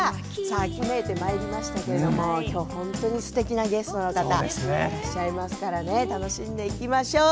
秋めいてまいりましたけれども今日、本当にすてきなゲストの方いらっしゃってますから楽しんでいきましょう。